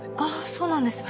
そうなんですね。